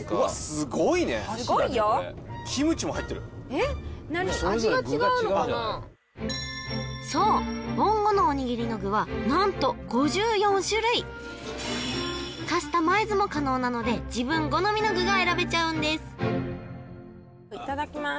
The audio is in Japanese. すごいねすごいよそうぼんごのおにぎりの具は何と５４種類カスタマイズも可能なので自分好みの具が選べちゃうんですいただきます